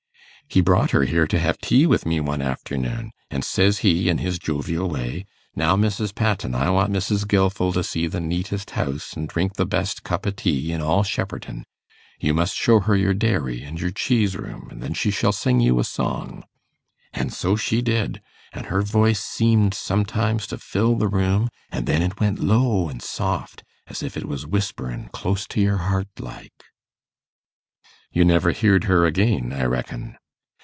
He brought her here to have tea with me one afternoon, and says he, in his jovial way, "Now, Mrs. Patten, I want Mrs. Gilfil to see the neatest house, and drink the best cup o' tea, in all Shepperton; you must show her your dairy and your cheese room, and then she shall sing you a song." An' so she did; an' her voice seemed sometimes to fill the room; an' then it went low an' soft, as if it was whisperin' close to your heart like.' 'You never heared her again, I reckon?